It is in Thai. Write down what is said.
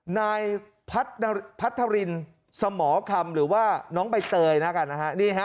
นายพัทรินสมอคำหรือว่าน้องใบเตยน่ากันนะฮะนี่ฮะ